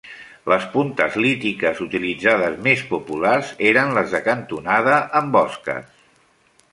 Les puntes lítiques utilitzades més populars eren les de cantonada amb osques.